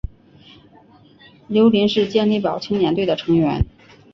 刘麟是健力宝青年队的成员。